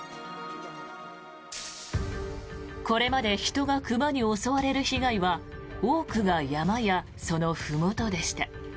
これまで人が熊に襲われる被害は多くが山やそのふもとでした。